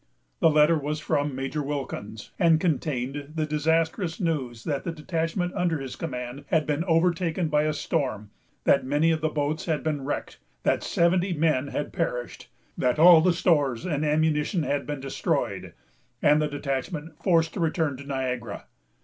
The letter was from Major Wilkins, and contained the disastrous news that the detachment under his command had been overtaken by a storm, that many of the boats had been wrecked, that seventy men had perished, that all the stores and ammunition had been destroyed, and the detachment forced to return to Niagara.